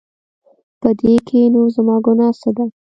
په دې کې نو زما ګناه څه ده؟